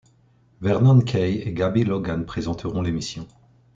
Vernon Kay et Gabby Logan présenteront l'émission.